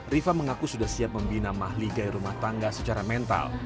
rifa mengaku sudah siap membina mahligai rumah tangga secara mental